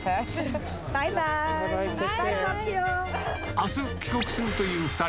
あす、帰国するという２人。